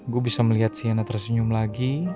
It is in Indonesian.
gue bisa melihat siana tersenyum lagi